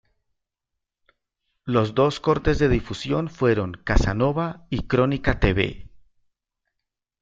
Los dos cortes de difusión fueron "Casanova" y "Crónica te ve".